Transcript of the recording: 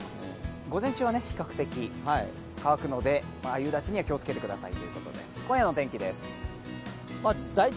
午前中は比較的乾くので、夕立には気をつけてください。